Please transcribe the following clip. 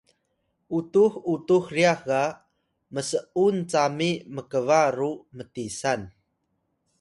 utux utux ryax ga ms’un cami mkba ru mtisan